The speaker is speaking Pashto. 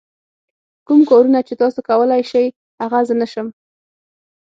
کوم کارونه چې تاسو کولای شئ هغه زه نه شم.